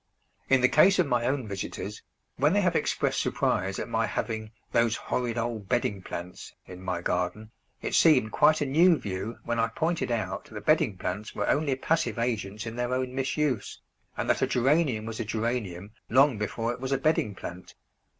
In the case of my own visitors, when they have expressed surprise at my having "those horrid old bedding plants" in my garden, it seemed quite a new view when I pointed out that bedding plants were only passive agents in their own misuse, and that a Geranium was a Geranium long before it was a bedding plant!